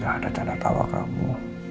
ada tanda tawa kamu